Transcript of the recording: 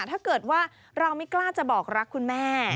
ถ้าเกิดว่าเราไม่กล้าจะบอกรักคุณแม่